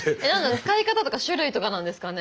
使い方とか種類とかなんですかね。